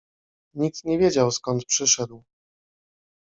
Nikt nie wiedział, skąd przyszedł.